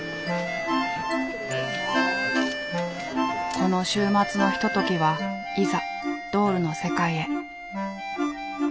この週末のひとときはいざドールの世界へ。